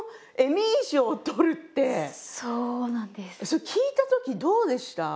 それ聞いたときどうでした？